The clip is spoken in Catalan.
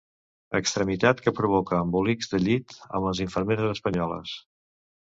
Extremitat que provoca embolics de llit amb les infermeres espanyoles.